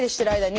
はい。